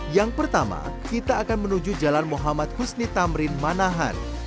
yang pertama kita akan menuju jalan muhammad husni tamrin manahan